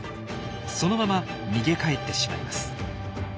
そのまま逃げ帰ってしまいます。